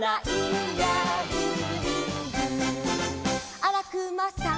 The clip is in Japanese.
「あらくまさん」